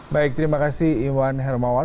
baik terima kasih iwan hermawan